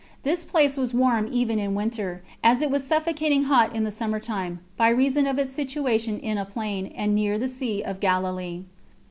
This place was warm even in winter, as it was suffocating hot in the summer time, by reason of its situation in a plain, and near to the sea [of Galilee].